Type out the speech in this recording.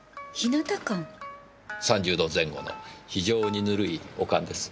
３０度前後の非常にぬるいお燗です。